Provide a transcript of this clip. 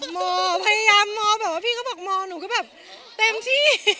มองพยายามมองแบบว่าพี่ก็บอกมองหนูก็แบบเต็มที่